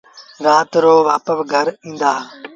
رآت رو وآپس گھر ائيٚݩدآ۔